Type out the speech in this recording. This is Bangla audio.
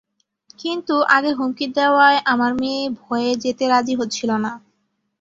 কিন্তু আগে হুমকি দেওয়ায় আমার মেয়ে ভয়ে যেতে রাজি হচ্ছিল না।